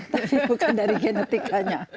tapi bukan dari genetikanya